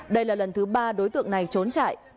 đây là lần thứ ba đối tượng này trốn chạy